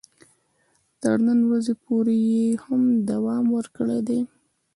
تر نن ورځې پورې یې هم دوام ورکړی دی.